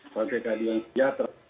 partai kajian sejahtera